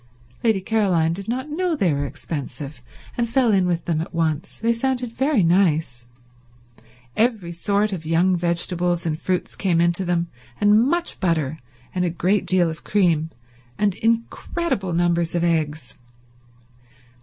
Lady Caroline did not know they were expensive, and fell in with them at once. They sounded very nice. Every sort of young vegetables and fruits came into them, and much butter and a great deal of cream and incredible numbers of eggs.